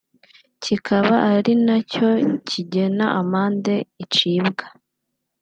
kikaba ari nacyo kigena amande icibwa